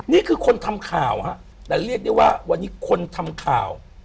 นี่คือคนทำข่าวฮะแต่เรียกได้ว่าวันนี้คนทำข่าว